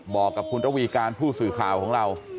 บอกกับคุณระวีการผู้สื่อข่าวของเรา